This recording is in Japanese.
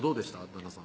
旦那さん